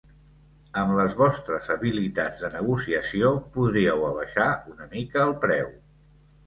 Amb les vostres habilitats de negociació podríeu abaixar una mica el preu.